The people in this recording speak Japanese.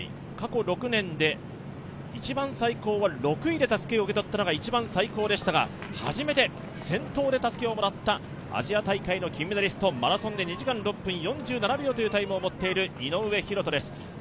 過去６年で６位で受け取ったのが一番最高でしたが、初めて先頭でたすきをもらったアジア大会の金メダリスト、マラソンで２時間６分４７秒というタイムを持っている井上大仁です。